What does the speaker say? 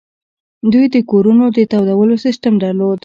دوی د کورونو د تودولو سیستم درلود